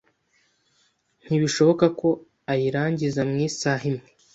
Ntibishoboka ko ayirangiza mu isaha imwe.